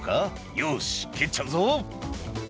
よし蹴っちゃうぞ」